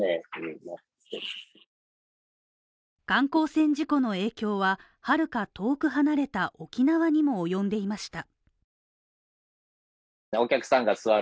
観光船事故の影響ははるか遠く離れた沖縄にも及んでいました。